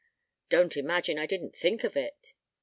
"Don't imagine I didn't think of it